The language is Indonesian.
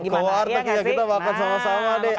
ke warteg ya kita makan sama sama deh